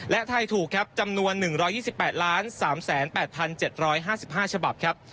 และไทยถูกครับจำนวน๑๒๘๓๘๗๕๕ฉบับครับ